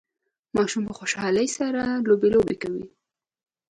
ماشوم په خوشحالۍ سره لوبي لوبې کوي